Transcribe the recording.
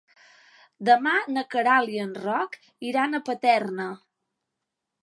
Demà na Queralt i en Roc iran a Paterna.